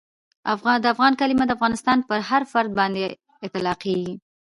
د افغان کلیمه د افغانستان پر هر فرد باندي اطلاقیږي.